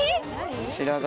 こちらが。